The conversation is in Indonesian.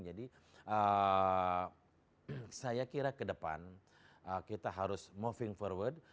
jadi saya kira ke depan kita harus moving forward